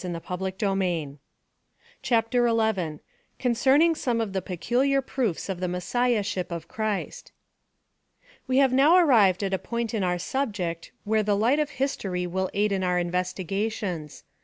128 PHTLOSOPHY OF THE CHAPTER XL CONCERNING SOME OP THE PECVLIAR PROOFS OF THi: MESSIAHSHIP OF CHRIST. We have now arrived at a point in our subject wliere the light of history will aid in our investiga tions.